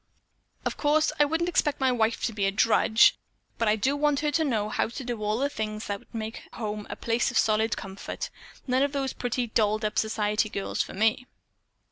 Of course I wouldn't expect my wife to be a drudge, but I do want her to know how to do all of the things that make home a place of solid comfort. None of these pretty, dolled up, society girls for me!"